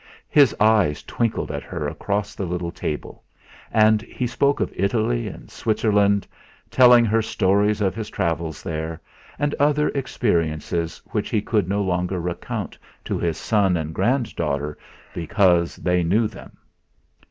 His eyes twinkled at her across the little table and he spoke of Italy and Switzerland, telling her stories of his travels there, and other experiences which he could no longer recount to his son and grand daughter because they knew them.